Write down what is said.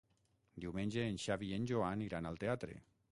Diumenge en Xavi i en Joan iran al teatre.